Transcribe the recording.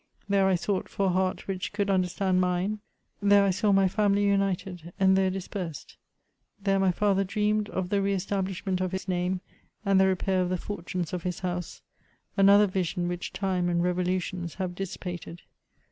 There I sought for a heart which could understand mine ; there I saw my family united — and there dispersed. There my father dreamed of the re estar blishment of his name, and the repair of the fortunes of his house; — another vision which time and revolutions have dissipated.